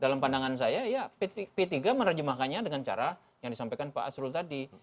dalam pandangan saya ya p tiga menerjemahkannya dengan cara yang disampaikan pak asrul tadi